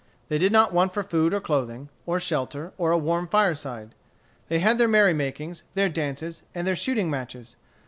They did not want for food or clothing, or shelter, or a warm fireside. They had their merry makings, their dances, and their shooting matches.